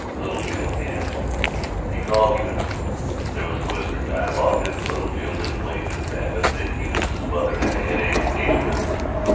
Littlefield gasped. He called Eunice. There was a whispered duologue, and Littlefield explained to Babbitt that Eunice's mother had a headache and needed her.